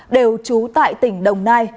đều trú tại tỉnh đồng nai